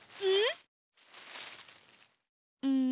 うん？